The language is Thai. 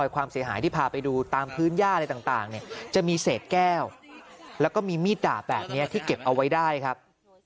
แก้วแล้วก็มีมีดด่าแบบนี้ที่เก็บเอาไว้ได้ครับ